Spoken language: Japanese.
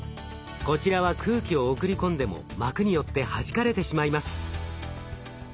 こちらは空気を送り込んでも膜によってはじかれてしまいます。